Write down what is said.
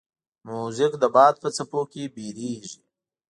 موزیک د باد په څپو کې ویریږي.